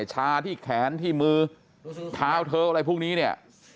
ชาที่แขนที่มือทาวเทออะไรพวกนี้